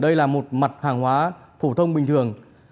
đây là một mặt hàng hóa phổ thông bình thường